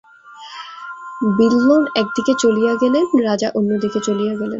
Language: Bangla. বিল্বন এক দিকে চলিয়া গেলেন, রাজা অন্য দিকে চলিয়া গেলেন।